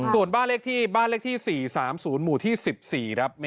ส่วนบ้านเลขที่๔๓๐หมู่ที่๑๔ครับ